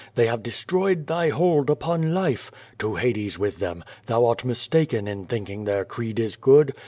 They have destroyed thy hold upon life. To Hades with them! Thou art mistaken in thinking their creed is good.